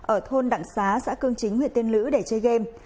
ở thôn đặng xá xã cương chính huyện tiên lữ để chơi game